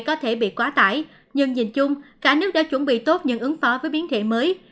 có thể bị quá tải nhưng nhìn chung cả nước đã chuẩn bị tốt những ứng phó với biến thể mới